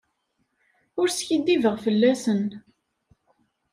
Ur skiddibeɣ fell-asen.